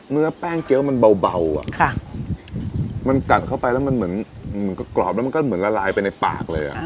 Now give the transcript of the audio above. เนื้อแป้งเจี๊ยวมันเบามันกัดเข้าไปแล้วมันเหมือนกรอบแล้วมันก็เหมือนละลายไปในปากเลย